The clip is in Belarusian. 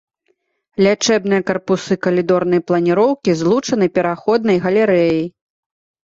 Лячэбныя карпусы калідорнай планіроўкі злучаны пераходнай галерэяй.